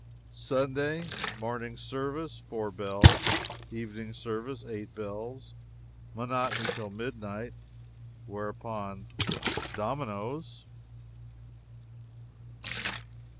"Sunday Morning service, four bells. Evening service, eight bells. Monotony till midnight. Whereupon, dominoes.